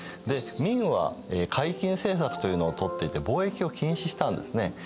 で明は海禁政策というのをとっていて貿易を禁止したんですね。